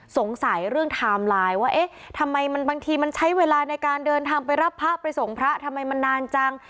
สงสัยเรื่องไทม์ไลน์ว่าเอ๊ะทำไมมันบางทีมันใช้เวลาในการเดินทางไปรับพระไปส่งพระทำไมมันนานจัง